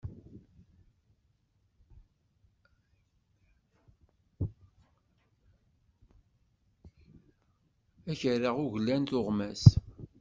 Ad k-rreɣ uglan tuɣmas.